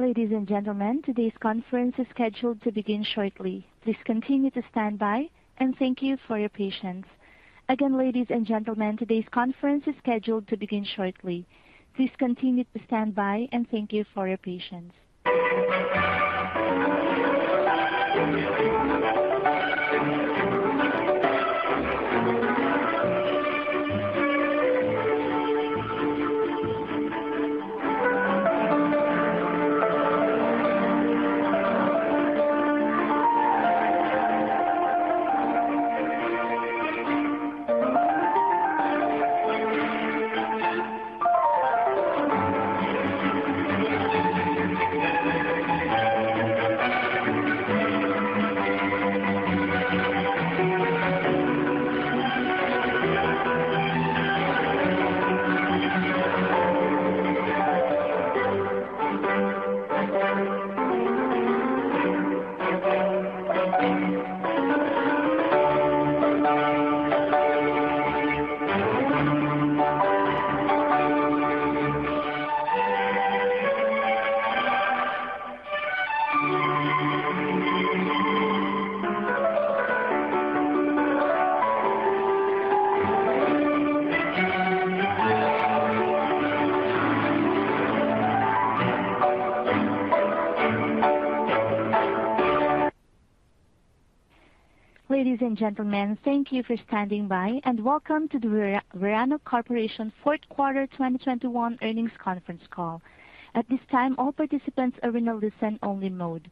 Ladies and gentlemen, today's conference is scheduled to begin shortly. Please continue to stand by, and thank you for your patience. Again, ladies and gentlemen, today's conference is scheduled to begin shortly. Please continue to stand by, and thank you for your patience. Ladies and gentlemen, thank you for standing by, and welcome to the Verano Corp fourth quarter 2021 earnings conference call. At this time, all participants are in a listen-only mode.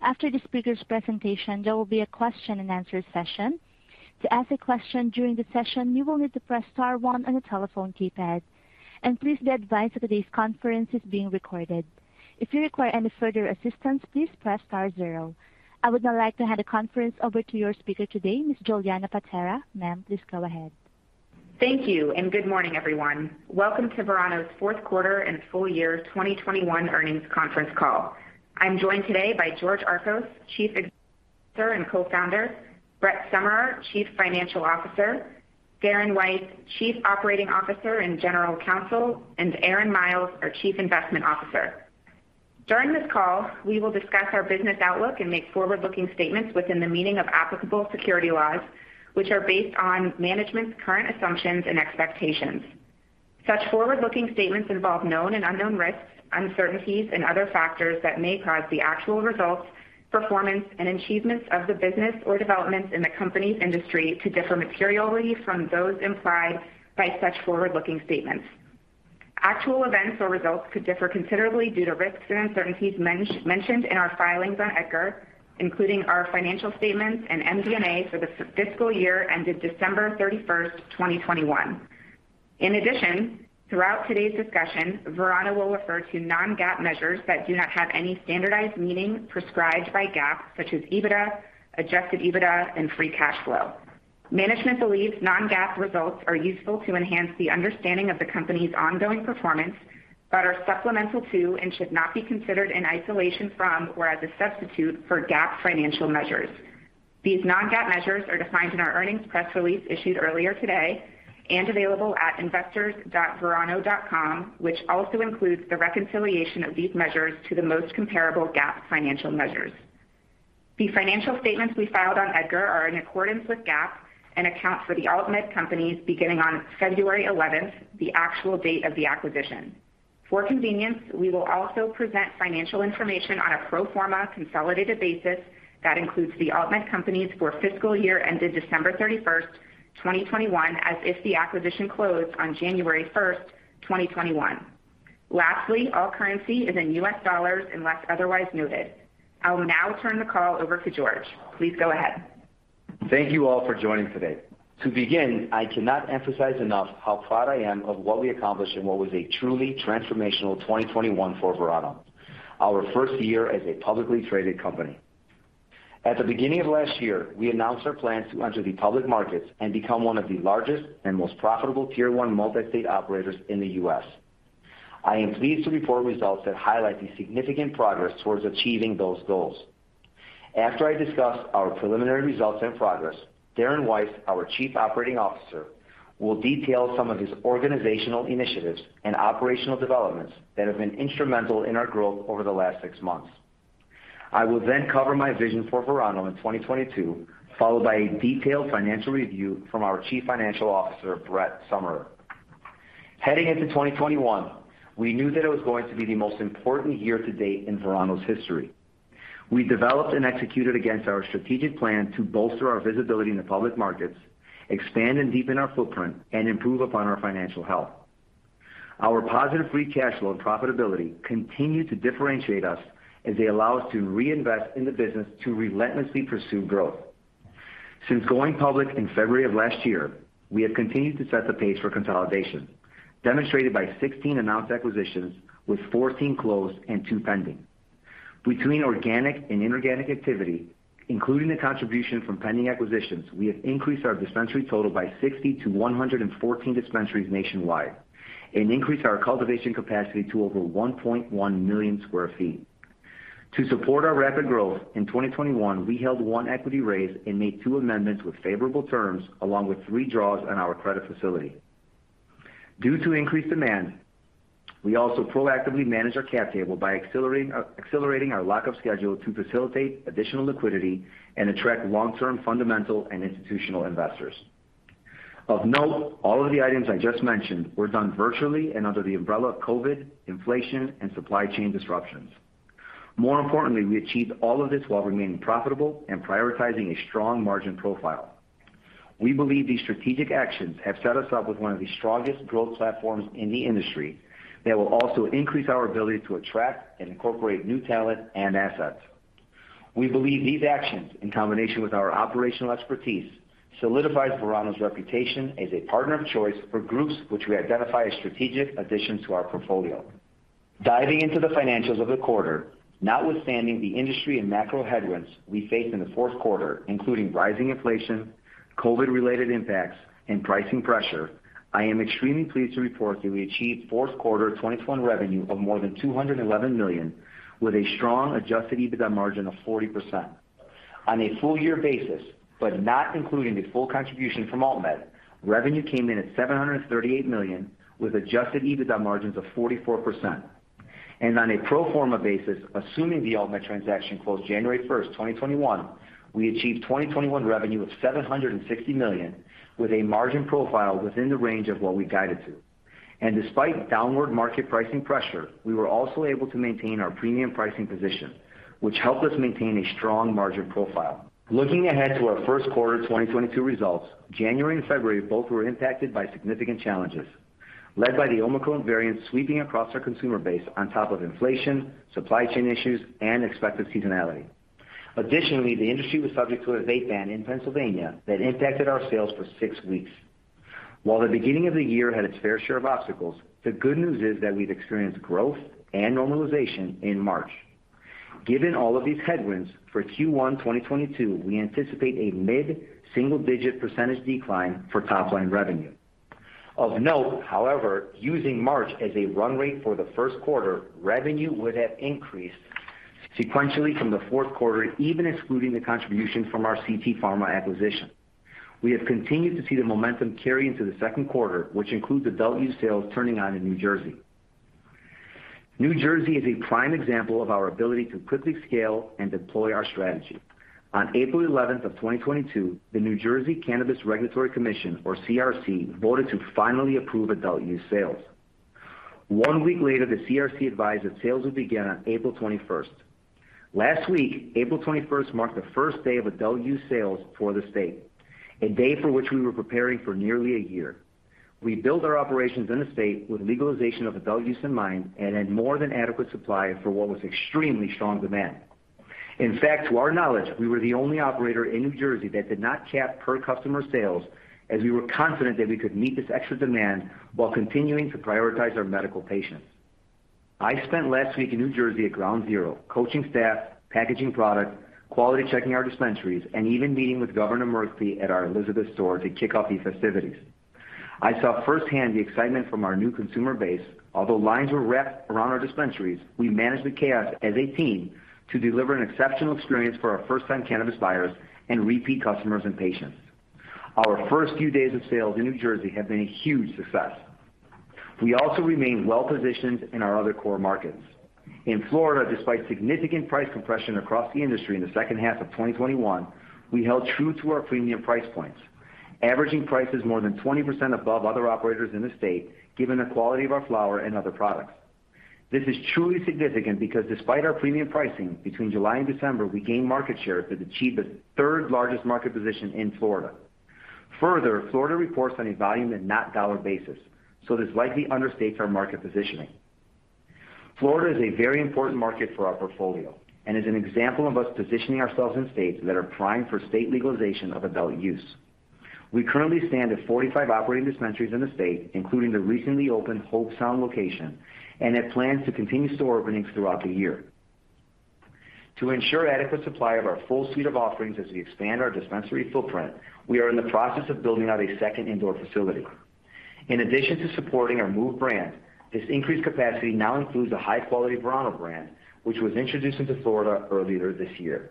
After the speaker's presentation, there will be a question-and-answer session. To ask a question during the session, you will need to press star one on your telephone keypad. Please be advised that today's conference is being recorded. If you require any further assistance, please press star zero. I would now like to hand the conference over to your speaker today, Ms. Julianna Paterra. Ma'am, please go ahead. Thank you, and good morning, everyone. Welcome to Verano's fourth quarter and full year 2021 earnings conference call. I'm joined today by George Archos, Chief Executive Officer and Co-founder, Brett Summerer, Chief Financial Officer, Darren Weiss, Chief Operating Officer and General Counsel, and Aaron Miles, our Chief Investment Officer. During this call, we will discuss our business outlook and make forward-looking statements within the meaning of applicable securities laws, which are based on management's current assumptions and expectations. Such forward-looking statements involve known and unknown risks, uncertainties, and other factors that may cause the actual results, performance, and achievements of the business or developments in the company's industry to differ materially from those implied by such forward-looking statements. Actual events or results could differ considerably due to risks and uncertainties mentioned in our filings on EDGAR, including our financial statements and MD&A for the fiscal year ended December 31st, 2021. In addition, throughout today's discussion, Verano will refer to non-GAAP measures that do not have any standardized meaning prescribed by GAAP, such as EBITDA, adjusted EBITDA, and free cash flow. Management believes non-GAAP results are useful to enhance the understanding of the company's ongoing performance but are supplemental to and should not be considered in isolation from or as a substitute for GAAP financial measures. These non-GAAP measures are defined in our earnings press release issued earlier today and available at investors.verano.com, which also includes the reconciliation of these measures to the most comparable GAAP financial measures. The financial statements we filed on EDGAR are in accordance with GAAP and account for the AltMed companies beginning on February 11th, the actual date of the acquisition. For convenience, we will also present financial information on a pro forma consolidated basis that includes the AltMed companies for fiscal year ended December 31st, 2021, as if the acquisition closed on January 1st, 2021. Lastly, all currency is in U.S. dollars unless otherwise noted. I will now turn the call over to George Archos. Please go ahead. Thank you all for joining today. To begin, I cannot emphasize enough how proud I am of what we accomplished in what was a truly transformational 2021 for Verano, our first year as a publicly traded company. At the beginning of last year, we announced our plans to enter the public markets and become one of the largest and most profitable tier-one multi-state operators in the U.S. I am pleased to report results that highlight the significant progress towards achieving those goals. After I discuss our preliminary results and progress, Darren Weiss, our Chief Operating Officer, will detail some of his organizational initiatives and operational developments that have been instrumental in our growth over the last six months. I will then cover my vision for Verano in 2022, followed by a detailed financial review from our Chief Financial Officer, Brett Summerer. Heading into 2021, we knew that it was going to be the most important year to date in Verano's history. We developed and executed against our strategic plan to bolster our visibility in the public markets, expand and deepen our footprint, and improve upon our financial health. Our positive free cash flow and profitability continue to differentiate us as they allow us to reinvest in the business to relentlessly pursue growth. Since going public in February of last year, we have continued to set the pace for consolidation, demonstrated by 16 announced acquisitions, with 14 closed and two pending. Between organic and inorganic activity, including the contribution from pending acquisitions, we have increased our dispensary total by 60 to 114 dispensaries nationwide and increased our cultivation capacity to over 1.1 million sq ft. To support our rapid growth, in 2021, we held one equity raise and made two amendments with favorable terms, along with three draws on our credit facility. Due to increased demand, we also proactively manage our cap table by accelerating our lock-up schedule to facilitate additional liquidity and attract long-term fundamental and institutional investors. Of note, all of the items I just mentioned were done virtually and under the umbrella of COVID, inflation, and supply chain disruptions. More importantly, we achieved all of this while remaining profitable and prioritizing a strong margin profile. We believe these strategic actions have set us up with one of the strongest growth platforms in the industry that will also increase our ability to attract and incorporate new talent and assets. We believe these actions, in combination with our operational expertise, solidifies Verano's reputation as a partner of choice for groups which we identify as strategic additions to our portfolio. Diving into the financials of the quarter, notwithstanding the industry and macro headwinds we faced in the fourth quarter, including rising inflation, COVID-related impacts, and pricing pressure, I am extremely pleased to report that we achieved fourth quarter 2021 revenue of more than $211 million, with a strong adjusted EBITDA margin of 40%. On a full year basis, but not including the full contribution from AltMed, revenue came in at $738 million, with adjusted EBITDA margins of 44%. On a pro forma basis, assuming the AltMed transaction closed January 1st, 2021, we achieved 2021 revenue of $760 million, with a margin profile within the range of what we guided to. Despite downward market pricing pressure, we were also able to maintain our premium pricing position, which helped us maintain a strong margin profile. Looking ahead to our first quarter 2022 results, January and February both were impacted by significant challenges led by the Omicron variant sweeping across our consumer base on top of inflation, supply chain issues, and expected seasonality. Additionally, the industry was subject to a vape ban in Pennsylvania that impacted our sales for six weeks. While the beginning of the year had its fair share of obstacles, the good news is that we've experienced growth and normalization in March. Given all of these headwinds, for Q1 2022, we anticipate a mid-single-digit percentage decline for top-line revenue. Of note, however, using March as a run rate for the first quarter, revenue would have increased sequentially from the fourth quarter, even excluding the contribution from our CT Pharma acquisition. We have continued to see the momentum carry into the second quarter, which includes adult use sales turning on in New Jersey. New Jersey is a prime example of our ability to quickly scale and deploy our strategy. On April 11th, 2022, the New Jersey Cannabis Regulatory Commission, or CRC, voted to finally approve adult use sales. One week later, the CRC advised that sales would begin on April 21st. Last week, April 21st marked the first day of adult use sales for the state, a day for which we were preparing for nearly a year. We built our operations in the state with legalization of adult use in mind and had more than adequate supply for what was extremely strong demand. In fact, to our knowledge, we were the only operator in New Jersey that did not cap per customer sales, as we were confident that we could meet this extra demand while continuing to prioritize our medical patients. I spent last week in New Jersey at ground zero, coaching staff, packaging product, quality checking our dispensaries, and even meeting with Governor Murphy at our Elizabeth store to kick off these festivities. I saw firsthand the excitement from our new consumer base. Although lines were wrapped around our dispensaries, we managed the chaos as a team to deliver an exceptional experience for our first-time cannabis buyers and repeat customers and patients. Our first few days of sales in New Jersey have been a huge success. We also remain well-positioned in our other core markets. In Florida, despite significant price compression across the industry in the second half of 2021, we held true to our premium price points, averaging prices more than 20% above other operators in the state, given the quality of our flower and other products. This is truly significant because despite our premium pricing, between July and December, we gained market share to achieve the third-largest market position in Florida. Further, Florida reports on a volume and not dollar basis, so this likely understates our market positioning. Florida is a very important market for our portfolio and is an example of us positioning ourselves in states that are primed for state legalization of adult use. We currently stand at 45 operating dispensaries in the state, including the recently opened Hobe Sound location, and have plans to continue store openings throughout the year. To ensure adequate supply of our full suite of offerings as we expand our dispensary footprint, we are in the process of building out a second indoor facility. In addition to supporting our MÜV brand, this increased capacity now includes the high-quality Verano brand, which was introduced into Florida earlier this year.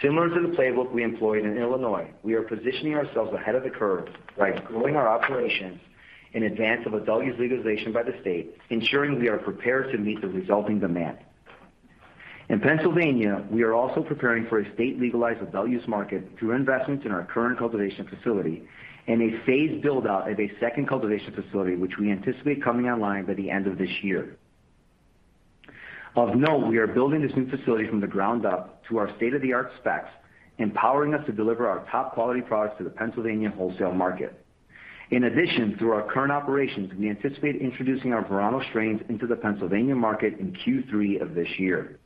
Similar to the playbook we employed in Illinois, we are positioning ourselves ahead of the curve by growing our operations in advance of adult-use legalization by the state, ensuring we are prepared to meet the resulting demand. In Pennsylvania, we are also preparing for a state legalized adult-use market through investments in our current cultivation facility and a phased build-out of a second cultivation facility, which we anticipate coming online by the end of this year. Of note, we are building this new facility from the ground up to our state-of-the-art specs, empowering us to deliver our top-quality products to the Pennsylvania wholesale market. In addition, through our current operations, we anticipate introducing our Verano strains into the Pennsylvania market in Q3 of this year.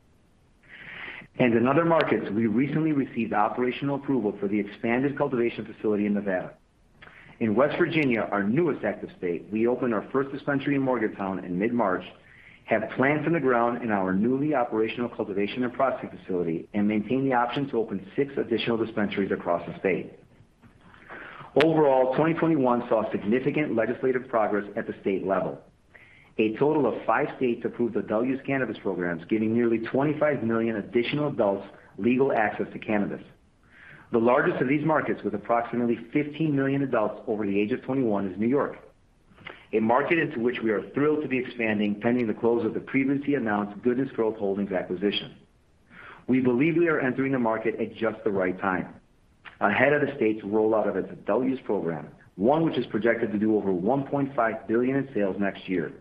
In other markets, we recently received operational approval for the expanded cultivation facility in Nevada. In West Virginia, our newest active state, we opened our first dispensary in Morgantown in mid-March, have plans in the ground in our newly operational cultivation and processing facility, and maintain the option to open six additional dispensaries across the state. Overall, 2021 saw significant legislative progress at the state level. A total of five states approved adult use cannabis programs, giving nearly 25 million additional adults legal access to cannabis. The largest of these markets, with approximately 15 million adults over the age of 21, is New York, a market into which we are thrilled to be expanding pending the close of the previously announced Goodness Growth Holdings acquisition. We believe we are entering the market at just the right time. Ahead of the state's rollout of its adult-use program, one which is projected to do over $1.5 billion in sales next year.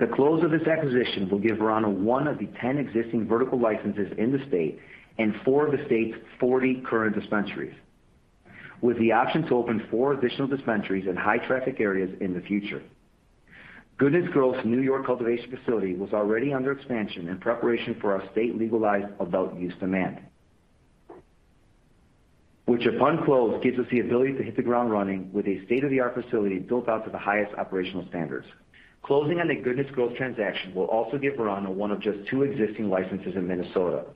The close of this acquisition will give Verano one of the 10 existing vertical licenses in the state and four of the state's 40 current dispensaries, with the option to open four additional dispensaries in high-traffic areas in the future. Goodness Growth's New York cultivation facility was already under expansion in preparation for our state-legalized adult-use demand, which upon close, gives us the ability to hit the ground running with a state-of-the-art facility built out to the highest operational standards. Closing on the Goodness Growth transaction will also give Verano one of just two existing licenses in Minnesota,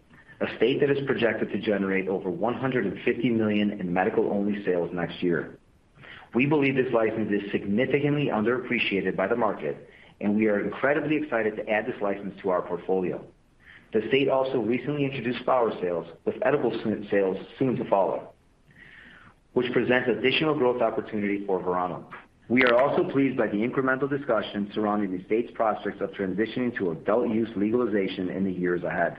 a state that is projected to generate over $150 million in medical-only sales next year. We believe this license is significantly underappreciated by the market, and we are incredibly excited to add this license to our portfolio. The state also recently introduced flower sales, with edible sales soon to follow, which presents additional growth opportunity for Verano. We are also pleased by the incremental discussions surrounding the state's prospects of transitioning to adult-use legalization in the years ahead.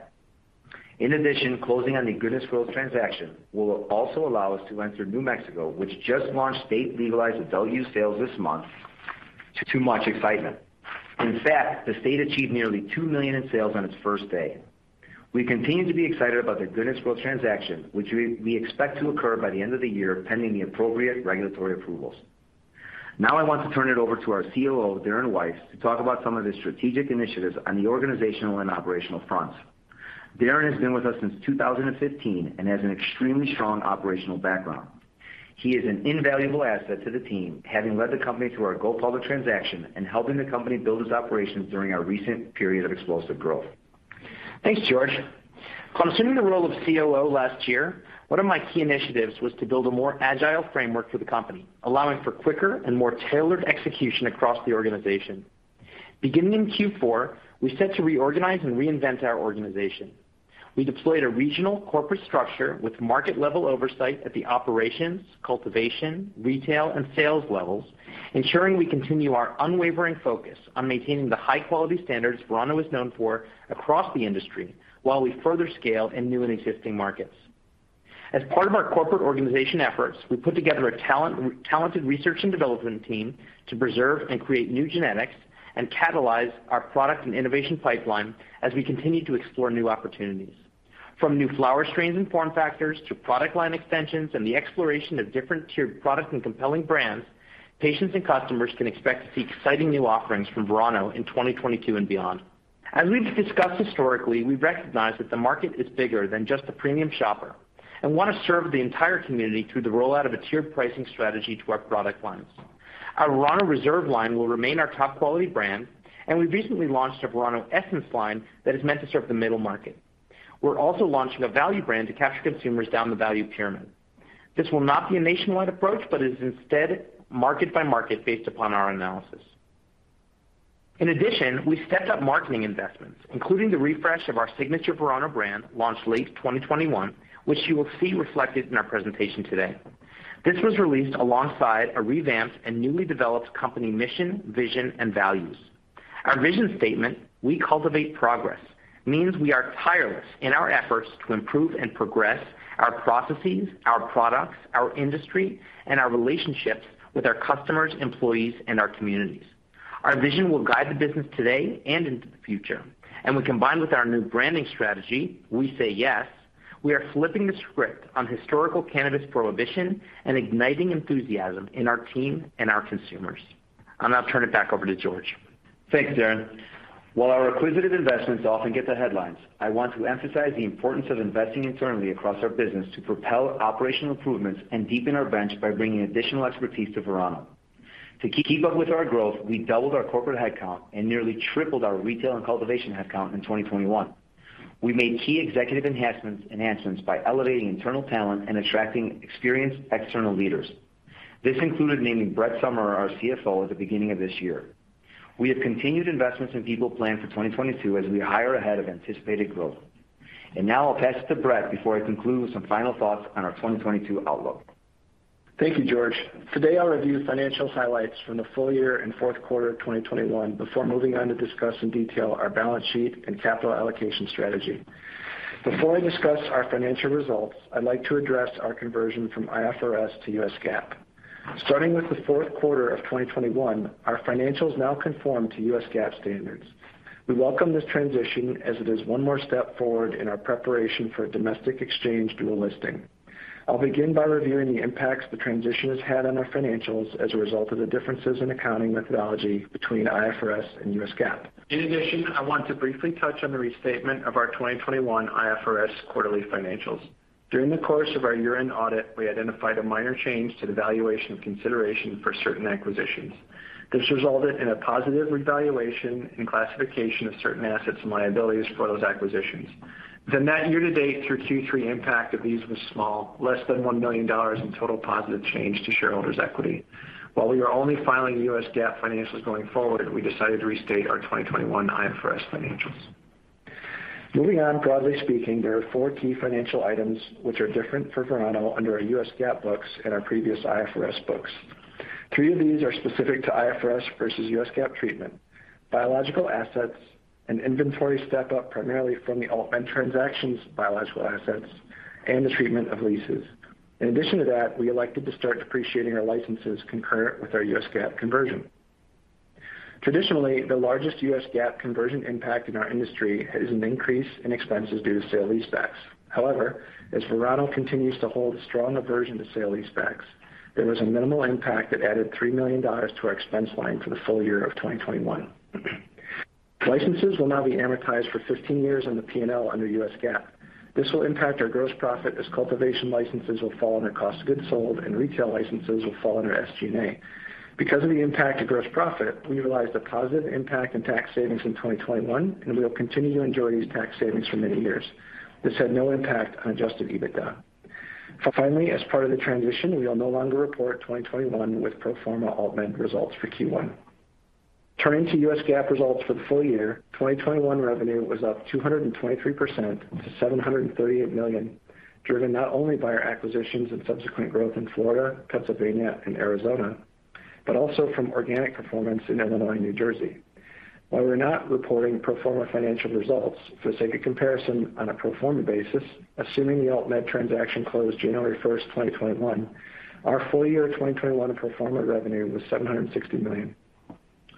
In addition, closing on the Goodness Growth transaction will also allow us to enter New Mexico, which just launched state-legalized adult-use sales this month to much excitement. In fact, the state achieved nearly $2 million in sales on its first day. We continue to be excited about the Goodness Growth transaction, which we expect to occur by the end of the year, pending the appropriate regulatory approvals. Now I want to turn it over to our COO, Darren Weiss, to talk about some of the strategic initiatives on the organizational and operational fronts. Darren has been with us since 2015 and has an extremely strong operational background. He is an invaluable asset to the team, having led the company through our go-public transaction and helping the company build its operations during our recent period of explosive growth. Thanks, George. Assuming the role of COO last year, one of my key initiatives was to build a more agile framework for the company, allowing for quicker and more tailored execution across the organization. Beginning in Q4, we set out to reorganize and reinvent our organization. We deployed a regional corporate structure with market-level oversight at the operations, cultivation, retail, and sales levels, ensuring we continue our unwavering focus on maintaining the high-quality standards Verano is known for across the industry while we further scale in new and existing markets. As part of our corporate organization efforts, we put together a talented research and development team to preserve and create new genetics and catalyze our product and innovation pipeline as we continue to explore new opportunities. From new flower strains and form factors to product line extensions and the exploration of different tiered products and compelling brands, patients and customers can expect to see exciting new offerings from Verano in 2022 and beyond. As we've discussed historically, we recognize that the market is bigger than just the premium shopper and want to serve the entire community through the rollout of a tiered pricing strategy to our product lines. Our Verano Reserve line will remain our top-quality brand, and we recently launched a Verano Essence line that is meant to serve the middle market. We're also launching a value brand to capture consumers down the value pyramid. This will not be a nationwide approach, but is instead market by market based upon our analysis. In addition, we've stepped up marketing investments, including the refresh of our signature Verano brand, launched late 2021, which you will see reflected in our presentation today. This was released alongside a revamped and newly developed company mission, vision, and values. Our vision statement, "We cultivate progress," means we are tireless in our efforts to improve and progress our processes, our products, our industry, and our relationships with our customers, employees, and our communities. Our vision will guide the business today and into the future, and when combined with our new branding strategy, "We say yes," we are flipping the script on historical cannabis prohibition and igniting enthusiasm in our team and our consumers. I'll now turn it back over to George. Thanks, Darren. While our acquisitive investments often get the headlines, I want to emphasize the importance of investing internally across our business to propel operational improvements and deepen our bench by bringing additional expertise to Verano. To keep up with our growth, we doubled our corporate headcount and nearly tripled our retail and cultivation headcount in 2021. We made key executive enhancements by elevating internal talent and attracting experienced external leaders. This included naming Brett Summerer our CFO at the beginning of this year. We have continued investments in people planned for 2022 as we hire ahead of anticipated growth. Now I'll pass it to Brett before I conclude with some final thoughts on our 2022 outlook. Thank you, George. Today, I'll review financial highlights from the full year and fourth quarter of 2021 before moving on to discuss in detail our balance sheet and capital allocation strategy. Before I discuss our financial results, I'd like to address our conversion from IFRS to U.S. GAAP. Starting with the fourth quarter of 2021, our financials now conform to U.S. GAAP standards. We welcome this transition, as it is one more step forward in our preparation for a domestic exchange dual listing. I'll begin by reviewing the impacts the transition has had on our financials as a result of the differences in accounting methodology between IFRS and U.S. GAAP. In addition, I want to briefly touch on the restatement of our 2021 IFRS quarterly financials. During the course of our year-end audit, we identified a minor change to the valuation consideration for certain acquisitions. This resulted in a positive revaluation and classification of certain assets and liabilities for those acquisitions. The net year-to-date through Q3 impact of these was small, less than $1 million in total positive change to shareholders' equity. While we are only filing U.S. GAAP financials going forward, we decided to restate our 2021 IFRS financials. Moving on, broadly speaking, there are four key financial items which are different for Verano under our U.S. GAAP books and our previous IFRS books. Three of these are specific to IFRS versus U.S. GAAP treatment, biological assets and inventory step-up primarily from the AltMed transactions, biological assets, and the treatment of leases. In addition to that, we elected to start depreciating our licenses concurrent with our U.S. GAAP conversion. Traditionally, the largest U.S. GAAP conversion impact in our industry is an increase in expenses due to sale-leasebacks. However, as Verano continues to hold a strong aversion to sale-leasebacks, there was a minimal impact that added $3 million to our expense line for the full year of 2021. Licenses will now be amortized for 15 years on the P&L under U.S. GAAP. This will impact our gross profit as cultivation licenses will fall under cost of goods sold and retail licenses will fall under SG&A. Because of the impact to gross profit, we realized a positive impact in tax savings in 2021, and we will continue to enjoy these tax savings for many years. This had no impact on adjusted EBITDA. Finally, as part of the transition, we will no longer report 2021 with pro forma AltMed results for Q1. Turning to U.S. GAAP results for the full year 2021 revenue was up 223% to $738 million, driven not only by our acquisitions and subsequent growth in Florida, Pennsylvania, and Arizona, but also from organic performance in Illinois and New Jersey. While we're not reporting pro forma financial results, for the sake of comparison on a pro forma basis, assuming the AltMed transaction closed January 1st, 2021, our full year 2021 pro forma revenue was $760 million.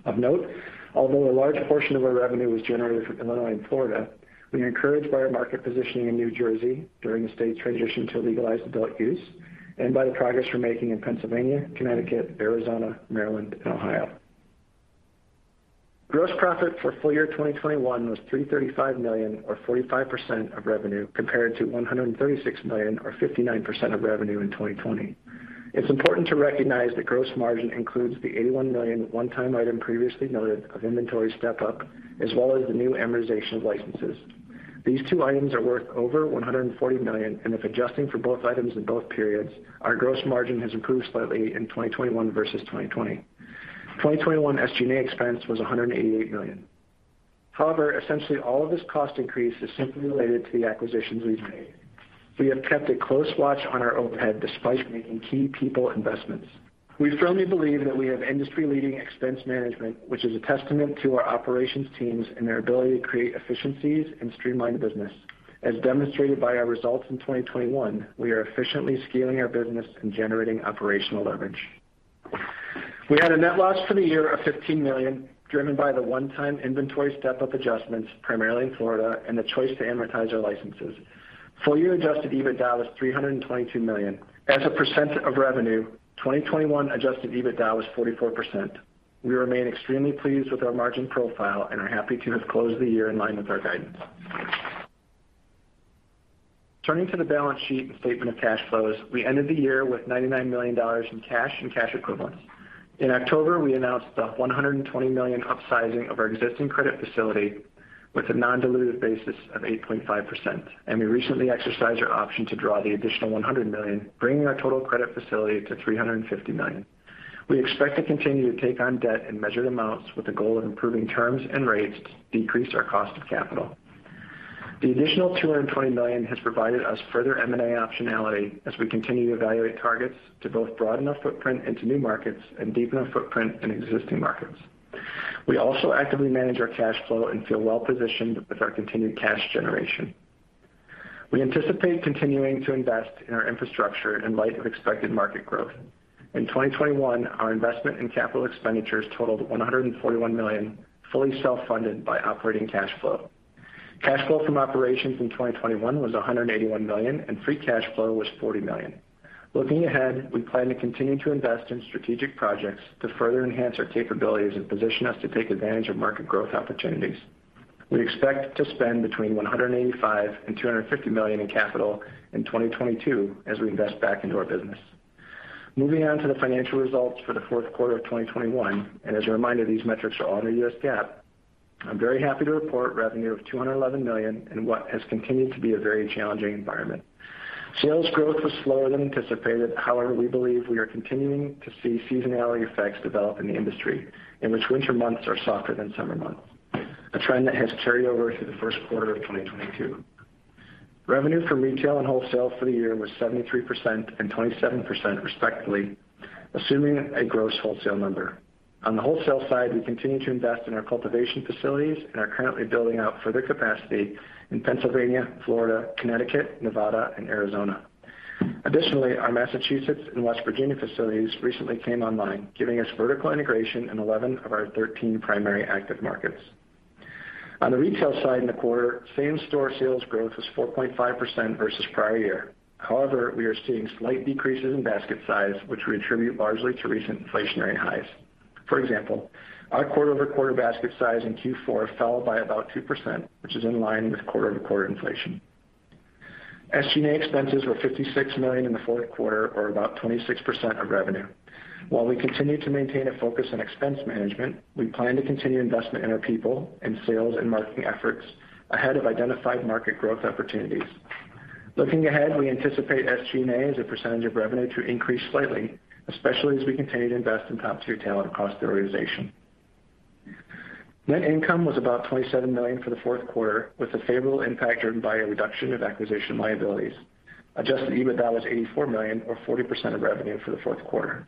Of note, although a large portion of our revenue was generated from Illinois and Florida, we are encouraged by our market positioning in New Jersey during the state's transition to legalized adult use and by the progress we're making in Pennsylvania, Connecticut, Arizona, Maryland, and Ohio. Gross profit for full year 2021 was $335 million or 45% of revenue, compared to $136 million or 59% of revenue in 2020. It's important to recognize that gross margin includes the $81 million one-time item previously noted of inventory step-up, as well as the new amortization of licenses. These two items are worth over $140 million, and if adjusting for both items in both periods, our gross margin has improved slightly in 2021 versus 2020. 2021 SG&A expense was $188 million. However, essentially all of this cost increase is simply related to the acquisitions we've made. We have kept a close watch on our overhead despite making key people investments. We firmly believe that we have industry-leading expense management, which is a testament to our operations teams and their ability to create efficiencies and streamline the business. As demonstrated by our results in 2021, we are efficiently scaling our business and generating operational leverage. We had a net loss for the year of $15 million, driven by the one-time inventory step-up adjustments, primarily in Florida, and the choice to amortize our licenses. Full year adjusted EBITDA was $322 million. As a percent of revenue, 2021 adjusted EBITDA was 44%. We remain extremely pleased with our margin profile and are happy to have closed the year in line with our guidance. Turning to the balance sheet and statement of cash flows, we ended the year with $99 million in cash and cash equivalents. In October, we announced the $120 million upsizing of our existing credit facility with a non-dilutive basis of 8.5%, and we recently exercised our option to draw the additional $100 million, bringing our total credit facility to $350 million. We expect to continue to take on debt in measured amounts with the goal of improving terms and rates to decrease our cost of capital. The additional $220 million has provided us further M&A optionality as we continue to evaluate targets to both broaden our footprint into new markets and deepen our footprint in existing markets. We also actively manage our cash flow and feel well-positioned with our continued cash generation. We anticipate continuing to invest in our infrastructure in light of expected market growth. In 2021, our investment in capital expenditures totaled $141 million, fully self-funded by operating cash flow. Cash flow from operations in 2021 was $181 million, and free cash flow was $40 million. Looking ahead, we plan to continue to invest in strategic projects to further enhance our capabilities and position us to take advantage of market growth opportunities. We expect to spend between $185 million and $250 million in capital in 2022 as we invest back into our business. Moving on to the financial results for the fourth quarter of 2021, and as a reminder, these metrics are all under U.S. GAAP. I'm very happy to report revenue of $211 million in what has continued to be a very challenging environment. Sales growth was slower than anticipated. However, we believe we are continuing to see seasonality effects develop in the industry in which winter months are softer than summer months, a trend that has carried over through the first quarter of 2022. Revenue from retail and wholesale for the year was 73% and 27%, respectively, assuming a gross wholesale number. On the wholesale side, we continue to invest in our cultivation facilities and are currently building out further capacity in Pennsylvania, Florida, Connecticut, Nevada, and Arizona. Additionally, our Massachusetts and West Virginia facilities recently came online, giving us vertical integration in 11 of our 13 primary active markets. On the retail side in the quarter, same store sales growth was 4.5% versus prior year. However, we are seeing slight decreases in basket size, which we attribute largely to recent inflationary highs. For example, our quarter-over-quarter basket size in Q4 fell by about 2%, which is in line with quarter-over-quarter inflation. SG&A expenses were $56 million in the fourth quarter, or about 26% of revenue. While we continue to maintain a focus on expense management, we plan to continue investment in our people and sales and marketing efforts ahead of identified market growth opportunities. Looking ahead, we anticipate SG&A as a percent of revenue to increase slightly, especially as we continue to invest in top tier talent across the organization. Net income was about $27 million for the fourth quarter, with a favorable impact driven by a reduction of acquisition liabilities. Adjusted EBITDA was $84 million or 40% of revenue for the fourth quarter.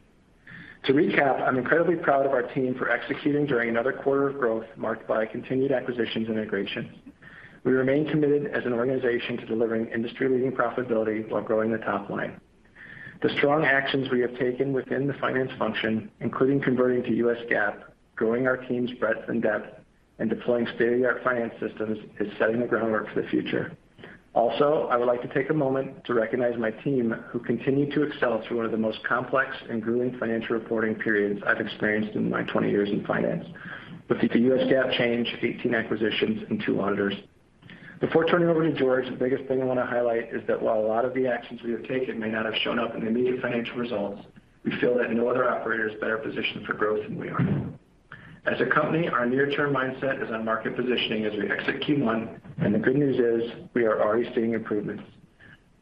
To recap, I'm incredibly proud of our team for executing during another quarter of growth marked by continued acquisitions integration. We remain committed as an organization to delivering industry-leading profitability while growing the top line. The strong actions we have taken within the finance function, including converting to U.S. GAAP, growing our team's breadth and depth, and deploying state-of-the-art finance systems, is setting the groundwork for the future. Also, I would like to take a moment to recognize my team who continue to excel through one of the most complex and grueling financial reporting periods I've experienced in my 20 years in finance. With the U.S. GAAP change, 18 acquisitions, and two auditors. Before turning over to George, the biggest thing I want to highlight is that while a lot of the actions we have taken may not have shown up in the immediate financial results, we feel that no other operator is better positioned for growth than we are. As a company, our near-term mindset is on market positioning as we exit Q1, and the good news is we are already seeing improvements.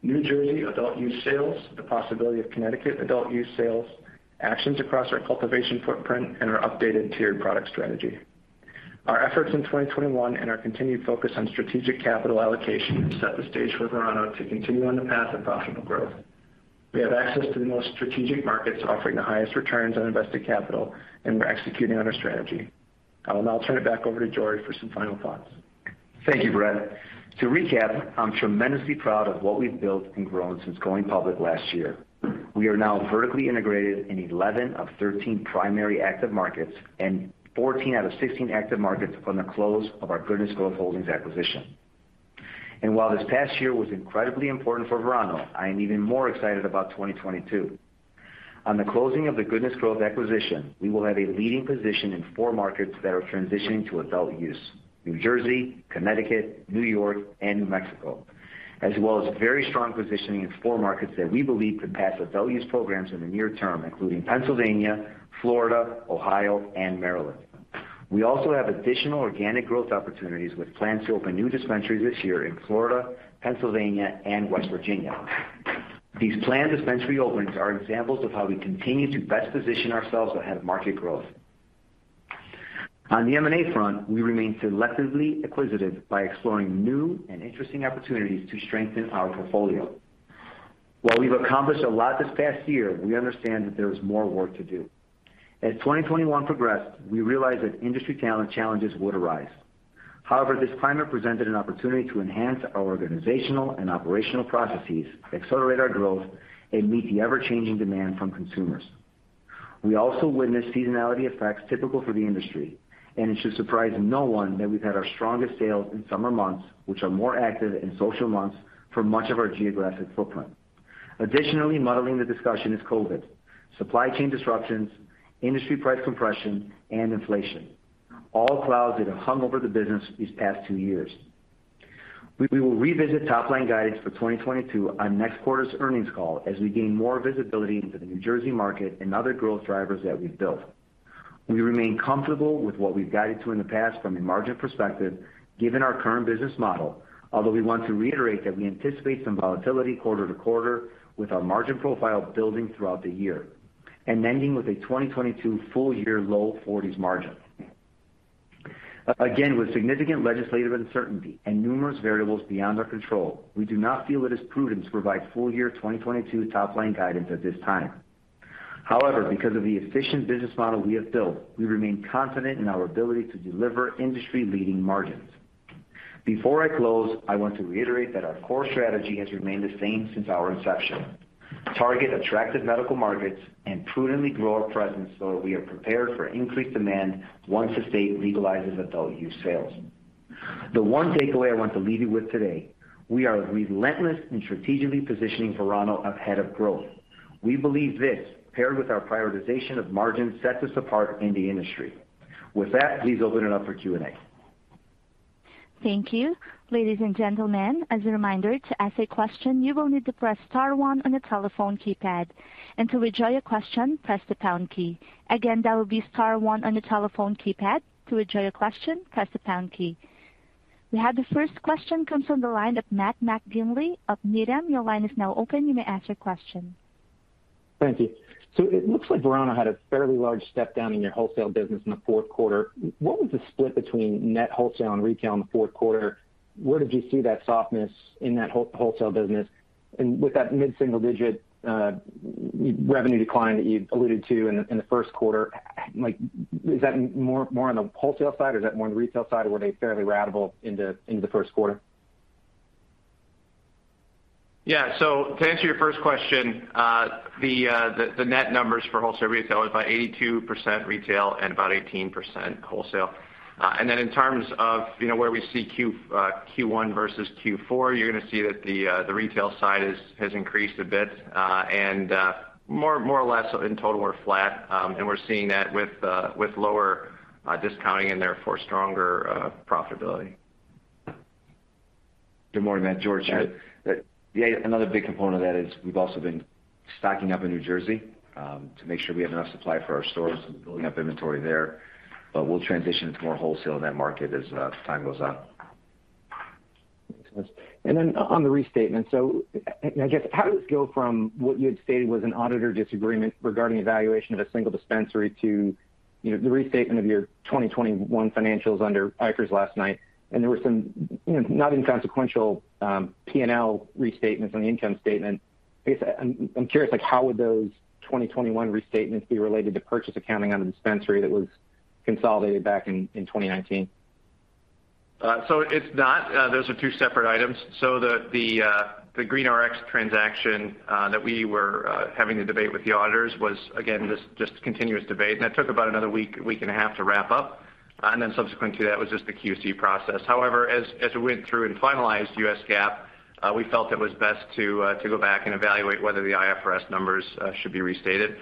New Jersey adult use sales, the possibility of Connecticut adult use sales, actions across our cultivation footprint, and our updated tiered product strategy. Our efforts in 2021 and our continued focus on strategic capital allocation set the stage for Verano to continue on the path of profitable growth. We have access to the most strategic markets offering the highest returns on invested capital, and we're executing on our strategy. I will now turn it back over to George for some final thoughts. Thank you, Brett. To recap, I'm tremendously proud of what we've built and grown since going public last year. We are now vertically integrated in 11 of 13 primary active markets and 14 out of 16 active markets on the close of our Goodness Growth Holdings acquisition. While this past year was incredibly important for Verano, I am even more excited about 2022. On the closing of the Goodness Growth acquisition, we will have a leading position in four markets that are transitioning to adult use, New Jersey, Connecticut, New York, and New Mexico, as well as very strong positioning in four markets that we believe could pass adult use programs in the near term, including Pennsylvania, Florida, Ohio, and Maryland. We also have additional organic growth opportunities with plans to open new dispensaries this year in Florida, Pennsylvania, and West Virginia. These planned dispensary openings are examples of how we continue to best position ourselves ahead of market growth. On the M&A front, we remain selectively acquisitive by exploring new and interesting opportunities to strengthen our portfolio. While we've accomplished a lot this past year, we understand that there is more work to do. As 2021 progressed, we realized that industry talent challenges would arise. However, this climate presented an opportunity to enhance our organizational and operational processes, accelerate our growth, and meet the ever-changing demand from consumers. We also witnessed seasonality effects typical for the industry, and it should surprise no one that we've had our strongest sales in summer months, which are more active in social months for much of our geographic footprint. Additionally, muddling the discussion is COVID, supply chain disruptions, industry price compression, and inflation, all clouds that have hung over the business these past two years. We will revisit top-line guidance for 2022 on next quarter's earnings call as we gain more visibility into the New Jersey market and other growth drivers that we've built. We remain comfortable with what we've guided to in the past from a margin perspective, given our current business model. Although we want to reiterate that we anticipate some volatility quarter to quarter with our margin profile building throughout the year and ending with a 2022 full-year low-40s margin. Again, with significant legislative uncertainty and numerous variables beyond our control, we do not feel it is prudent to provide full-year 2022 top-line guidance at this time. However, because of the efficient business model we have built, we remain confident in our ability to deliver industry-leading margins. Before I close, I want to reiterate that our core strategy has remained the same since our inception. Target attractive medical markets and prudently grow our presence so that we are prepared for increased demand once the state legalizes adult use sales. The one takeaway I want to leave you with today, we are relentless in strategically positioning Verano ahead of growth. We believe this, paired with our prioritization of margins, sets us apart in the industry. With that, please open it up for Q&A. Thank you. Ladies and gentlemen, as a reminder, to ask a question, you will need to press star one on your telephone keypad, and to withdraw your question, press the pound key. Again, that will be star one on your telephone keypad. To withdraw your question, press the pound key. We have the first question comes from the line of Matt McGinley of Needham. Your line is now open. You may ask your question. Thank you. It looks like Verano had a fairly large step down in your wholesale business in the fourth quarter. What was the split between net wholesale and retail in the fourth quarter? Where did you see that softness in that wholesale business? With that mid-single digit revenue decline that you alluded to in the first quarter, like is that more on the wholesale side, or is that more on the retail side? Were they fairly ratable in the first quarter? Yeah. To answer your first question, the net numbers for wholesale retail is about 82% retail and about 18% wholesale. In terms of, you know, where we see Q1 versus Q4, you're gonna see that the retail side has increased a bit, and more or less in total we're flat. We're seeing that with lower discounting and therefore stronger profitability. Good morning, Matt. George here. Another big component of that is we've also been stocking up in New Jersey to make sure we have enough supply for our stores and building up inventory there. We'll transition into more wholesale in that market as time goes on. Makes sense. On the restatement. I guess, how does this go from what you had stated was an auditor disagreement regarding evaluation of a single dispensary to, you know, the restatement of your 2021 financials under IFRS last night, and there were some, you know, not inconsequential P&L restatements on the income statement. Basically, I'm curious, like, how would those 2021 restatements be related to purchase accounting on the dispensary that was consolidated back in 2019? It's not, those are two separate items. The Green Rx transaction that we were having the debate with the auditors was, again, just continuous debate. That took about another week and a half to wrap up, and then subsequent to that was just the QC process. However, as we went through and finalized U.S. GAAP, we felt it was best to go back and evaluate whether the IFRS numbers should be restated.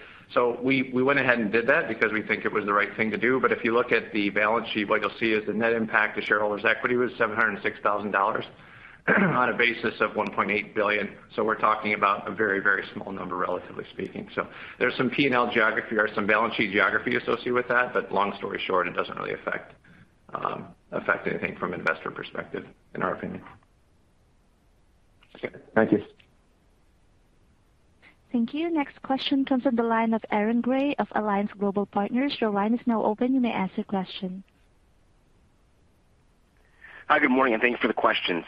We went ahead and did that because we think it was the right thing to do. If you look at the balance sheet, what you'll see is the net impact to shareholders' equity was $706,000 on a basis of $1.8 billion. We're talking about a very, very small number, relatively speaking. There's some P&L geography or some balance sheet geography associated with that, but long story short, it doesn't really affect anything from investor perspective, in our opinion. Okay. Thank you. Thank you. Next question comes from the line of Aaron Grey of Alliance Global Partners. Your line is now open. You may ask your question. Hi, good morning, and thanks for the questions.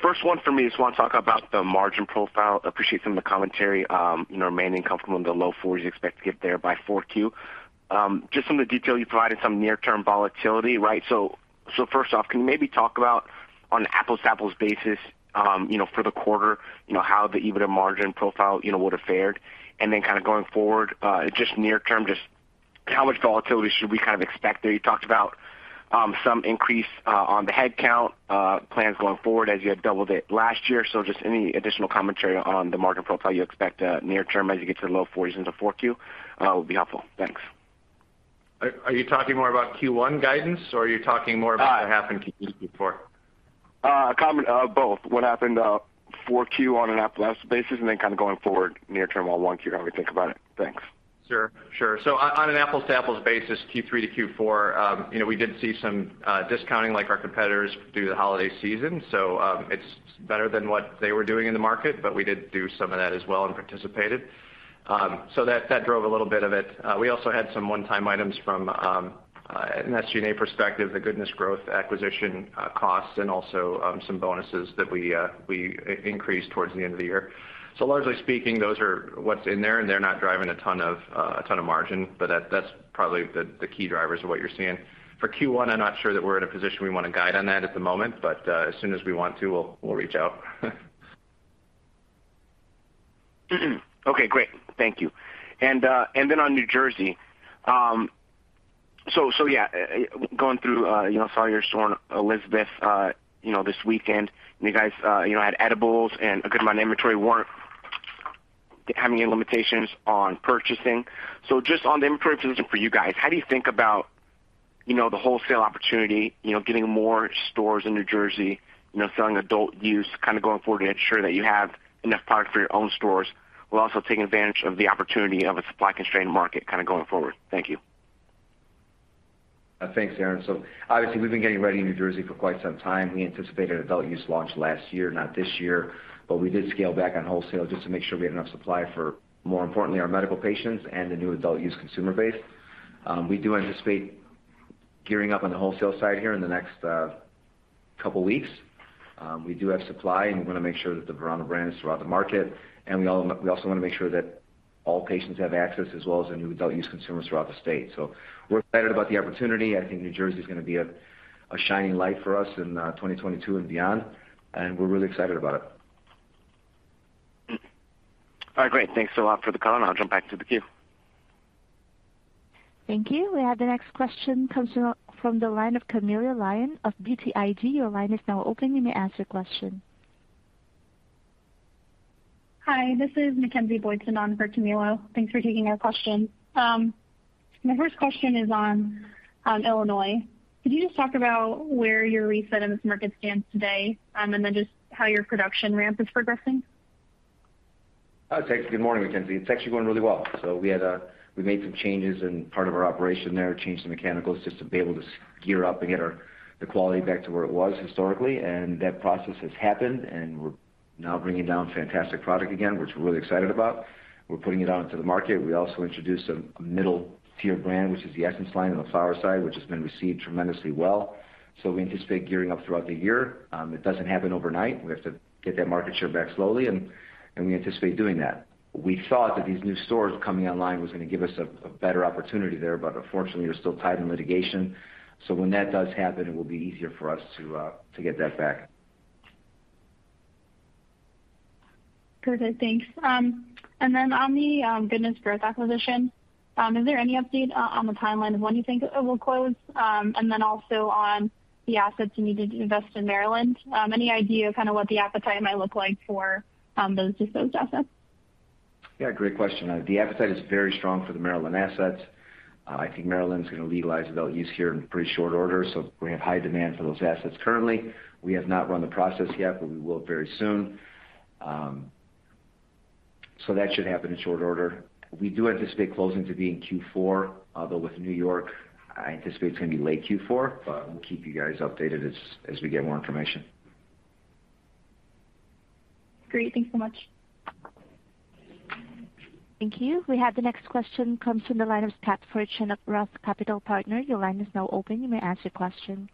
First one for me is wanna talk about the margin profile. Appreciate some of the commentary, you know, remaining comfortable in the low 40s, expect to get there by Q4. Just some of the detail you provided, some near-term volatility, right? First off, can you maybe talk about on an apples-to-apples basis, you know, for the quarter, you know, how the EBITDA margin profile, you know, would have fared? And then kind of going forward, just near term, just how much volatility should we kind of expect there? You talked about, some increase, on the headcount, plans going forward as you had doubled it last year. Just any additional commentary on the margin profile you expect, near term as you get to the low 40s into 4Q, would be helpful. Thanks. Are you talking more about Q1 guidance, or are you talking more about? Uh- What happened Q3, Q4? Comment on both. What happened in 4Q on an apples-to-apples basis and then kind of going forward near term, with 1Q, how we think about it. Thanks. On an apples-to-apples basis, Q3 to Q4, you know, we did see some discounting like our competitors through the holiday season. It's better than what they were doing in the market, but we did do some of that as well and participated. That drove a little bit of it. We also had some one-time items from an SG&A perspective, the Goodness Growth acquisition costs, and also some bonuses that we increased towards the end of the year. Largely speaking, those are what's in there, and they're not driving a ton of margin, but that's probably the key drivers of what you're seeing. For Q1, I'm not sure that we're in a position we wanna guide on that at the moment, but as soon as we want to, we'll reach out. Okay, great. Thank you. Then on New Jersey, so yeah, going through, you know, saw your store on Elizabeth, you know, this weekend. You guys, you know, had edibles and a good amount of inventory weren't having any limitations on purchasing. Just on the improvements for you guys, how do you think about, you know, the wholesale opportunity, you know, getting more stores in New Jersey, you know, selling adult-use kind of going forward to ensure that you have enough product for your own stores, while also taking advantage of the opportunity of a supply-constrained market kind of going forward? Thank you. Thanks, Aaron. Obviously, we've been getting ready in New Jersey for quite some time. We anticipated adult use launch last year, not this year, but we did scale back on wholesale just to make sure we had enough supply for, more importantly, our medical patients and the new adult use consumer base. We do anticipate gearing up on the wholesale side here in the next couple weeks. We do have supply, and we wanna make sure that the Verano brand is throughout the market. We also wanna make sure that all patients have access as well as the new adult use consumers throughout the state. We're excited about the opportunity. I think New Jersey is gonna be a shining light for us in 2022 and beyond, and we're really excited about it. All right, great. Thanks a lot for the call, and I'll jump back to the queue. Thank you. We have the next question from the line of Camilo Lyon of BTIG. Your line is now open. You may ask your question. Hi, this is Mackenzie Boydston, sitting in for Camilo Lyon. Thanks for taking our question. My first question is on Illinois. Could you just talk about where your reset in this market stands today, and then just how your production ramp is progressing? Oh, thanks. Good morning, Mackenzie. It's actually going really well. We had we made some changes in part of our operation there, changed the mechanicals just to be able to gear up and get our, the quality back to where it was historically. That process has happened, and we're now bringing down fantastic product again, which we're really excited about. We're putting it out into the market. We also introduced a middle tier brand, which is the Essence line on the flower side, which has been received tremendously well. We anticipate gearing up throughout the year. It doesn't happen overnight. We have to get that market share back slowly, and we anticipate doing that. We thought that these new stores coming online was gonna give us a better opportunity there, but unfortunately, they're still tied in litigation. When that does happen, it will be easier for us to get that back. Perfect. Thanks. On the Goodness Growth acquisition, is there any update on the timeline of when you think it will close? On the assets you need to invest in Maryland, any idea kind of what the appetite might look like for those, just those assets? Yeah, great question. The appetite is very strong for the Maryland assets. I think Maryland is gonna legalize adult use here in pretty short order, so we have high demand for those assets currently. We have not run the process yet, but we will very soon. That should happen in short order. We do anticipate closing to be in Q4, although with New York, I anticipate it's gonna be late Q4, but we'll keep you guys updated as we get more information. Great. Thanks so much. Thank you. We have the next question comes from the line of Scott Fortune of Roth Capital Partners. Your line is now open. You may ask your question.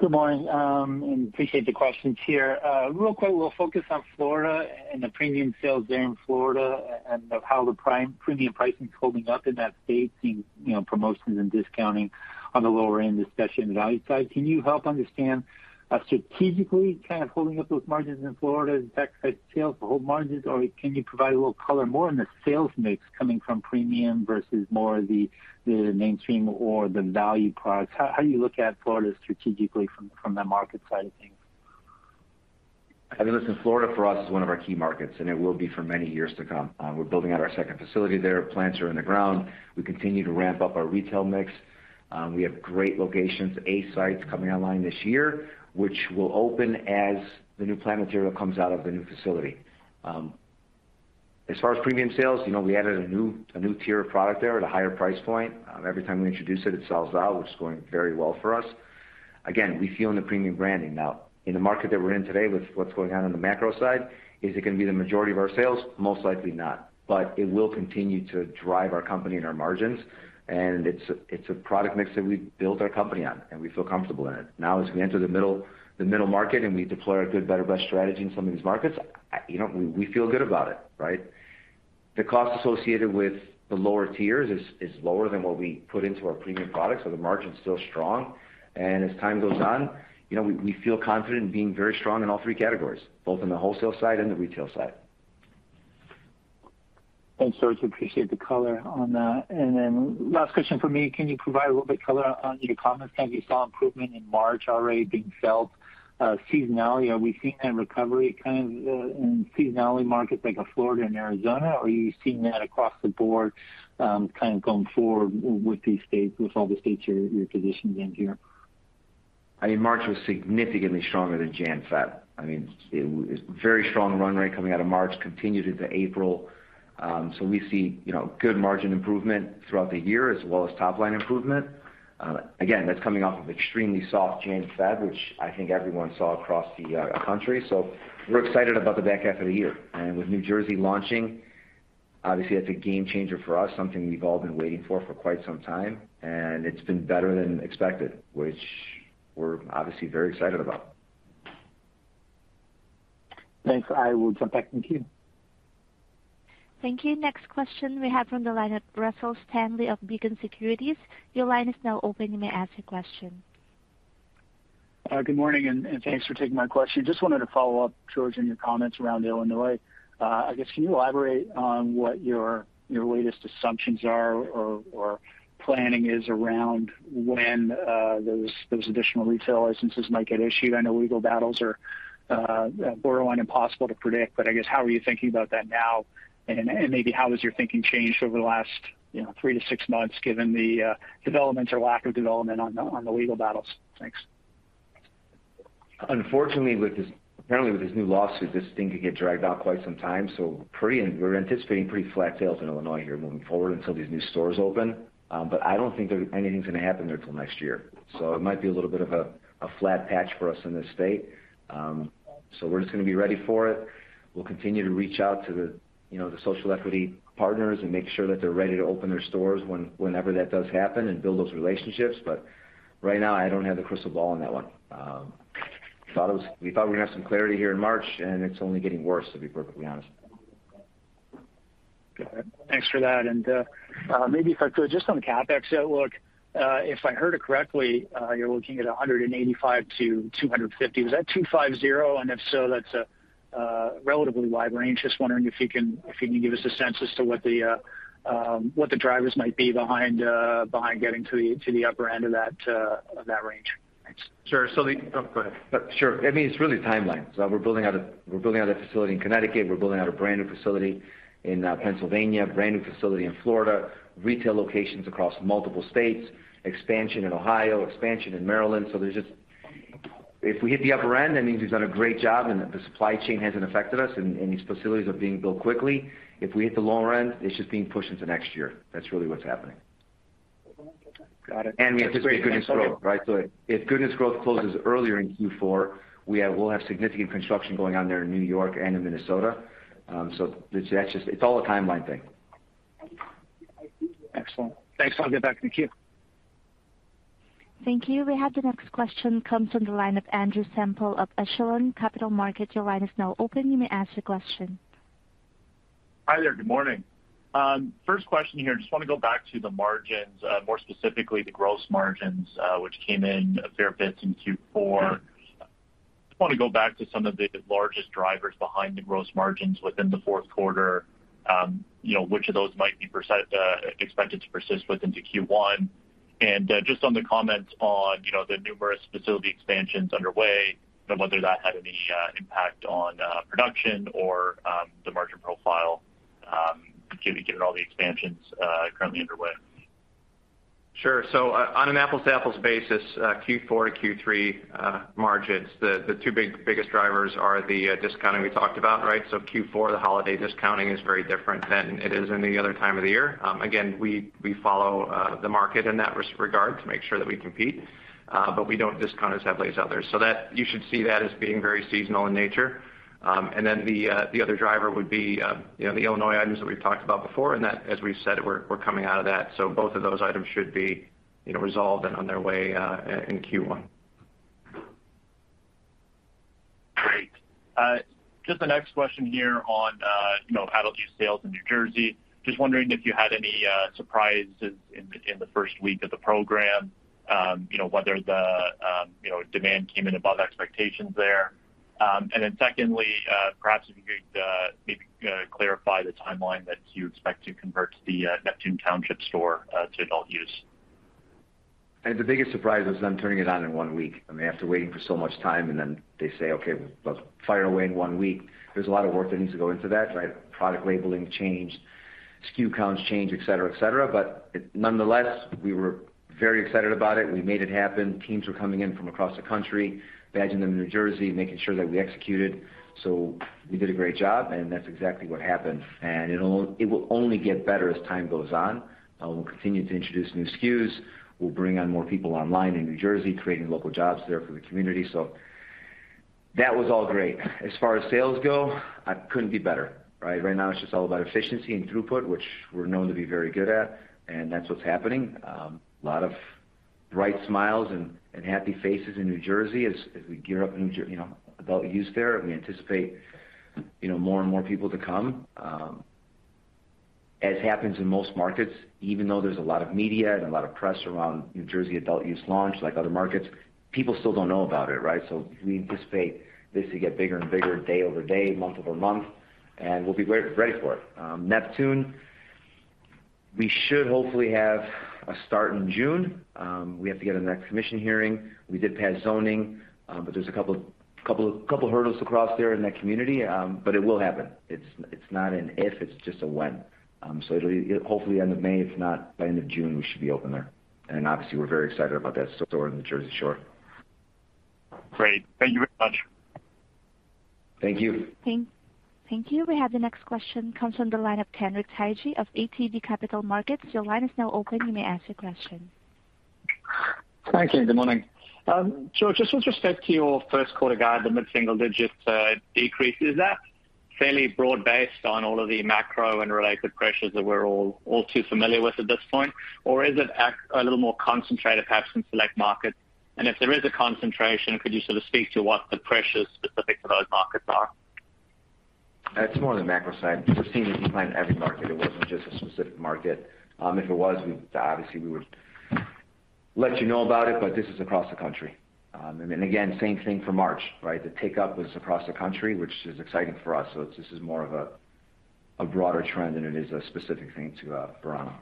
Good morning, I appreciate the questions here. Real quick, we'll focus on Florida and the premium sales there in Florida and of how the premium pricing is holding up in that state, seeing, you know, promotions and discounting on the lower end, especially in the value side. Can you help understand strategically kind of holding up those margins in Florida, is that kind of sales to hold margins, or can you provide a little more color on the sales mix coming from premium versus more the mainstream or the value products? How do you look at Florida strategically from the market side of things? I mean, listen, Florida for us is one of our key markets, and it will be for many years to come. We're building out our second facility there. Plants are in the ground. We continue to ramp up our retail mix. We have great locations, eight sites coming online this year, which will open as the new plant material comes out of the new facility. As far as premium sales, you know, we added a new tier of product there at a higher price point. Every time we introduce it sells out, which is going very well for us. Again, we feel in the premium branding now. In the market that we're in today with what's going on in the macro side, is it gonna be the majority of our sales? Most likely not. It will continue to drive our company and our margins, and it's a product mix that we've built our company on, and we feel comfortable in it. Now, as we enter the middle market, and we deploy our good, better, best strategy in some of these markets, you know, we feel good about it, right? The cost associated with the lower tiers is lower than what we put into our premium products, so the margin's still strong. As time goes on, you know, we feel confident in being very strong in all three categories, both in the wholesale side and the retail side. Thanks, George. Appreciate the color on that. Last question from me. Can you provide a little bit of color on your comments? Kind of you saw improvement in March already being felt, seasonality. Are we seeing that recovery kind of in seasonal markets like in Florida and Arizona, or are you seeing that across the board, kind of going forward with these states, with all the states you're positioned in here? I mean, March was significantly stronger than January, February. I mean, it's very strong run rate coming out of March, continued into April. So we see, you know, good margin improvement throughout the year as well as top line improvement. Again, that's coming off of extremely soft January, February, which I think everyone saw across the country. We're excited about the back half of the year. With New Jersey launching, obviously that's a game changer for us, something we've all been waiting for quite some time, and it's been better than expected, which we're obviously very excited about. Thanks. I will jump back in the queue. Thank you. Next question we have from the line of Russell Stanley of Beacon Securities. Your line is now open. You may ask your question. Good morning, and thanks for taking my question. Just wanted to follow up, George, on your comments around Illinois. I guess, can you elaborate on what your latest assumptions are or planning is around when those additional retail licenses might get issued? I know legal battles are borderline impossible to predict, but I guess, how are you thinking about that now? Maybe how has your thinking changed over the last, you know, three to six months given the development or lack of development on the legal battles? Thanks. Unfortunately, apparently with this new lawsuit, this thing could get dragged out quite some time. We're anticipating pretty flat sales in Illinois here moving forward until these new stores open. I don't think anything's gonna happen there till next year. It might be a little bit of a flat patch for us in this state. We're just gonna be ready for it. We'll continue to reach out to the you know the social equity partners and make sure that they're ready to open their stores whenever that does happen and build those relationships. Right now, I don't have the crystal ball on that one. We thought we're gonna have some clarity here in March, and it's only getting worse, to be perfectly honest. Got it. Thanks for that. Maybe if I could just on the CapEx outlook, if I heard it correctly, you're looking at $185-$250. Is that $250? If so, that's a relatively wide range. Just wondering if you can give us a sense as to what the drivers might be behind getting to the upper end of that range. Thanks. Sure. Oh, go ahead. Sure. I mean, it's really timelines. We're building out a facility in Connecticut. We're building out a brand new facility in Pennsylvania, brand new facility in Florida, retail locations across multiple states, expansion in Ohio, expansion in Maryland. There's just if we hit the upper end, that means we've done a great job and the supply chain hasn't affected us and these facilities are being built quickly. If we hit the lower end, it's just being pushed into next year. That's really what's happening. Got it. We anticipate Goodness Growth, right? If Goodness Growth closes earlier in Q4, we'll have significant construction going on there in New York and in Minnesota. It's all a timeline thing. Excellent. Thanks. I'll get back in the queue. Thank you. We have the next question comes from the line of Andrew Semple of Echelon Capital Markets. Your line is now open. You may ask your question. Hi there. Good morning. First question here, just wanna go back to the margins, more specifically the gross margins, which came in a fair bit in Q4. Just wanna go back to some of the largest drivers behind the gross margins within the fourth quarter. You know, which of those might be expected to persist with into Q1? Just on the comments on, you know, the numerous facility expansions underway and whether that had any impact on production or the margin profile, given all the expansions currently underway. Sure. On an apples to apples basis, Q4 to Q3 margins, the two biggest drivers are the discounting we talked about, right? Q4, the holiday discounting is very different than it is any other time of the year. Again, we follow the market in that regard to make sure that we compete, but we don't discount as heavily as others. That, you should see that as being very seasonal in nature. The other driver would be, you know, the Illinois items that we've talked about before, and that as we've said, we're coming out of that. Both of those items should be, you know, resolved and on their way in Q1. Great. Just the next question here on you know adult use sales in New Jersey. Just wondering if you had any surprises in the first week of the program, you know, whether the you know demand came in above expectations there. Secondly, perhaps if you could maybe clarify the timeline that you expect to convert the Neptune Township store to adult use. I think the biggest surprise was them turning it on in one week. I mean, after waiting for so much time, and then they say, "Okay, well, fire away in one week," there's a lot of work that needs to go into that, right? Product labeling change, SKU counts change, et cetera, et cetera. Nonetheless, we were very excited about it. We made it happen. Teams were coming in from across the country, badging them in New Jersey, making sure that we executed. We did a great job, and that's exactly what happened. It will only get better as time goes on. We'll continue to introduce new SKUs. We'll bring on more people online in New Jersey, creating local jobs there for the community. That was all great. As far as sales go, I couldn't be better, right? Right now, it's just all about efficiency and throughput, which we're known to be very good at, and that's what's happening. A lot of bright smiles and happy faces in New Jersey as we gear up in New Jersey, you know, adult use there. We anticipate, you know, more and more people to come. As happens in most markets, even though there's a lot of media and a lot of press around New Jersey adult use launch, like other markets, people still don't know about it, right? We anticipate this to get bigger and bigger day over day, month over month, and we'll be ready for it. Neptune, we should hopefully have a start in June. We have to get in that commission hearing. We did pass zoning, but there's a couple hurdles to cross there in that community, but it will happen. It's not an if, it's just a when. It'll hopefully end of May, if not, by end of June, we should be open there. Obviously, we're very excited about that store on the Jersey Shore. Great. Thank you very much. Thank you. Thank you. We have the next question comes from the line of Kenric Tyghe of ATB Capital Markets. Your line is now open. You may ask your question. Thank you. Good morning. George, just with respect to your first quarter guide, the mid-single digit decrease, is that fairly broad-based on all of the macro and related pressures that we're all too familiar with at this point? Or is it a little more concentrated perhaps in select markets? If there is a concentration, could you sort of speak to what the pressures specific to those markets are? It's more on the macro side. We're seeing a decline in every market. It wasn't just a specific market. If it was, we would let you know about it, but this is across the country. Again, same thing for March, right? The take up was across the country, which is exciting for us. It's this is more of a broader trend than it is a specific thing to Verano.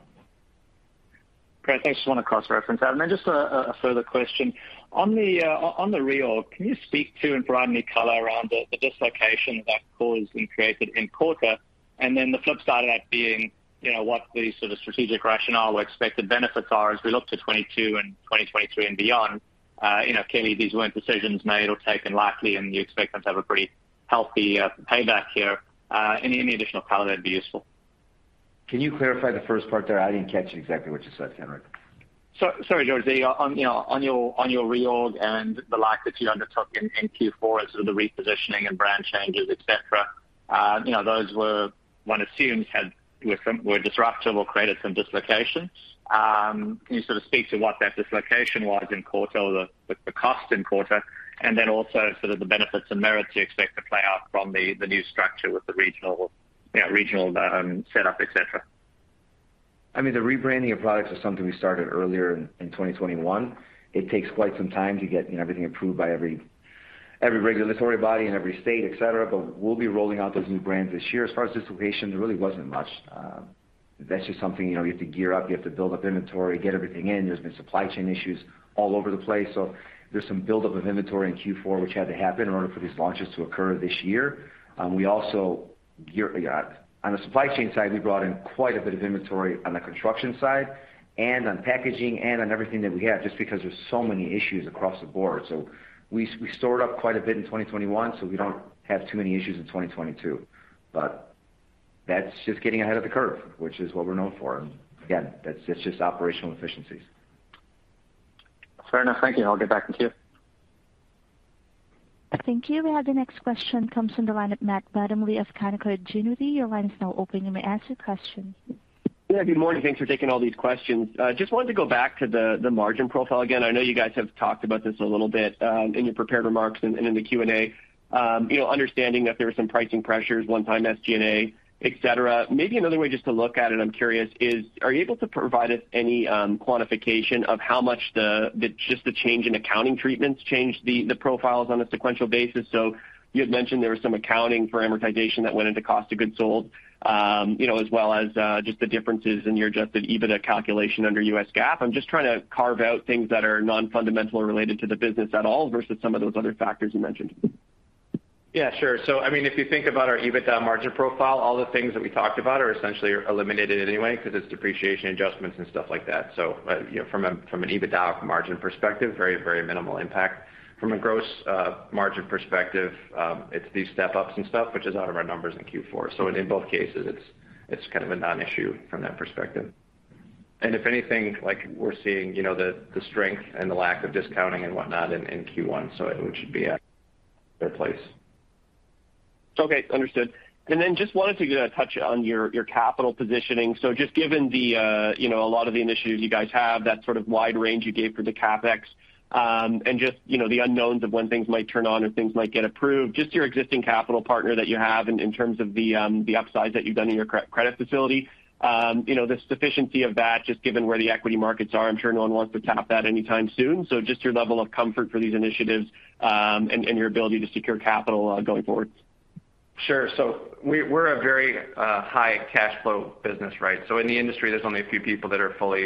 Great. Thanks. Just wanna cross-reference that. Then just a further question. On the reorg, can you speak to and provide any color around the dislocation that caused and created in quarter, and then the flip side of that being what the sort of strategic rationale or expected benefits are as we look to 2022 and 2023 and beyond? Clearly these weren't decisions made or taken lightly, and you expect them to have a pretty healthy payback here. Any additional color there would be useful. Can you clarify the first part there? I didn't catch exactly what you said, Kenric. Sorry, George. Then on your reorg and the likes that you undertook in Q4 as sort of the repositioning and brand changes, et cetera, those were, one assumes, were disruptive or created some dislocations. Can you sort of speak to what that dislocation was in quarter or the cost in quarter, and then also sort of the benefits and merit you expect to play out from the new structure with the regional setup, et cetera? I mean, the rebranding of products was something we started earlier in 2021. It takes quite some time to get, you know, everything approved by every regulatory body in every state, et cetera, but we'll be rolling out those new brands this year. As far as dislocation, there really wasn't much. That's just something, you know, you have to gear up, you have to build up inventory, get everything in. There's been supply chain issues all over the place. There's some buildup of inventory in Q4, which had to happen in order for these launches to occur this year. On the supply chain side, we brought in quite a bit of inventory on the construction side and on packaging and on everything that we have, just because there's so many issues across the board. We stored up quite a bit in 2021, so we don't have too many issues in 2022. That's just getting ahead of the curve, which is what we're known for. Again, that's just operational efficiencies. Fair enough. Thank you. I'll get back in queue. Thank you. We have the next question comes from the line of Matt Bottomley of Canaccord Genuity. Your line is now open. You may ask your question. Yeah. Good morning. Thanks for taking all these questions. Just wanted to go back to the margin profile again. I know you guys have talked about this a little bit in your prepared remarks and in the Q&A. You know, understanding that there were some pricing pressures, one time SG&A, et cetera. Maybe another way just to look at it, I'm curious, are you able to provide us any quantification of how much just the change in accounting treatments changed the profiles on a sequential basis? So you had mentioned there was some accounting for amortization that went into cost of goods sold, you know, as well as just the differences in your adjusted EBITDA calculation under U.S. GAAP. I'm just trying to carve out things that are non-fundamental or related to the business at all versus some of those other factors you mentioned. Yeah, sure. I mean, if you think about our EBITDA margin profile, all the things that we talked about are essentially eliminated anyway 'cause it's depreciation adjustments and stuff like that. You know, from an EBITDA margin perspective, very, very minimal impact. From a gross margin perspective, it's these step-ups and stuff, which is out of our numbers in Q4. In both cases, it's kind of a non-issue from that perspective. If anything, like we're seeing, you know, the strength and the lack of discounting and whatnot in Q1, so it should be at a good place. Okay, understood. Just wanted to get a touch on your capital positioning. Just given you know a lot of the initiatives you guys have that sort of wide range you gave for the CapEx and just you know the unknowns of when things might turn on or things might get approved just your existing capital position that you have in terms of the upsizes that you've done in your credit facility. You know the sufficiency of that just given where the equity markets are I'm sure no one wants to tap that anytime soon. Just your level of comfort for these initiatives and your ability to secure capital going forward. Sure. We're a very high cash flow business, right? In the industry, there's only a few people that are fully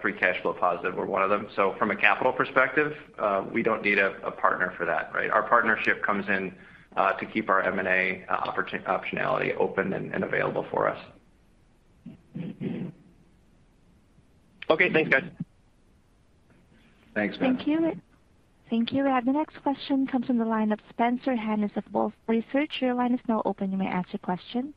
free cash flow positive. We're one of them. From a capital perspective, we don't need a partner for that, right? Our partnership comes in to keep our M&A optionality open and available for us. Okay. Thanks, guys. Thanks, Matt. Thank you. Thank you. We have the next question comes from the line of Spencer Hanus of Wolfe Research. Your line is now open. You may ask your question.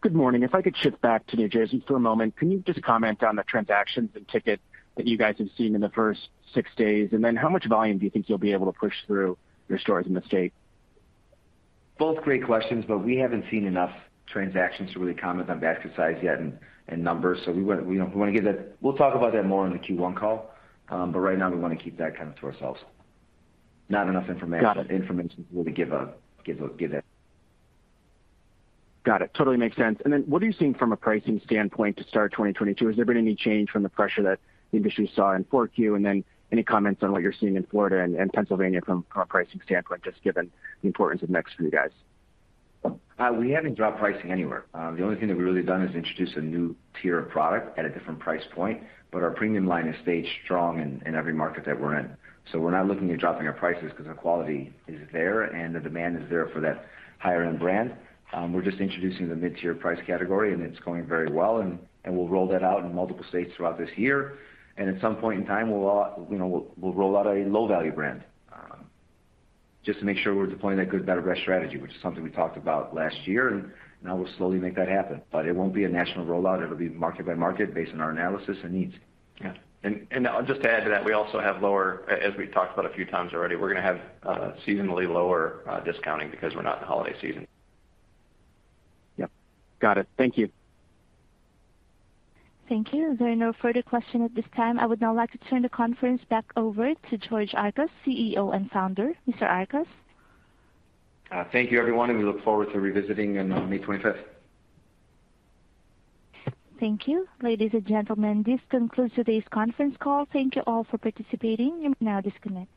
Good morning. If I could shift back to New Jersey for a moment, can you just comment on the transactions and ticket that you guys have seen in the first six days? How much volume do you think you'll be able to push through your stores in the state? Both great questions, but we haven't seen enough transactions to really comment on basket size yet and numbers. We wanna give that. We'll talk about that more on the Q1 call. Right now, we wanna keep that kind of to ourselves. Not enough information. Got it. Information to really give it. Got it. Totally makes sense. Then what are you seeing from a pricing standpoint to start 2022? Has there been any change from the pressure that the industry saw in 4Q? Then any comments on what you're seeing in Florida and Pennsylvania from a pricing standpoint, just given the importance of next for you guys? We haven't dropped pricing anywhere. The only thing that we've really done is introduce a new tier of product at a different price point, but our premium line has stayed strong in every market that we're in. We're not looking at dropping our prices 'cause our quality is there and the demand is there for that higher end brand. We're just introducing the mid-tier price category, and it's going very well. We'll roll that out in multiple states throughout this year. At some point in time, we'll you know roll out a low-value brand, just to make sure we're deploying that good, better, best strategy, which is something we talked about last year, and now we'll slowly make that happen. It won't be a national rollout. It'll be market by market based on our analysis and needs. Yeah. I'll just add to that, we also have lower, as we've talked about a few times already, we're gonna have seasonally lower discounting because we're not in the holiday season. Yep. Got it. Thank you. Thank you. There are no further question at this time. I would now like to turn the conference back over to George Archos, CEO and Founder. Mr. Archos. Thank you, everyone, and we look forward to revisiting on May 25th. Thank you. Ladies and gentlemen, this concludes today's conference call. Thank you all for participating. You may now disconnect.